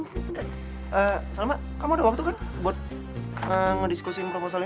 eh salma kamu ada waktu kan buat ngediskusin proposal ini